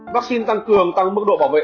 vắc xin tăng cường tăng mức độ bảo vệ